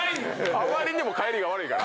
あまりにも返りが悪いから。